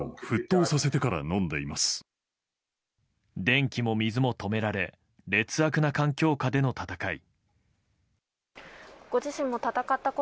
電気も水も止められ劣悪な環境下での戦い。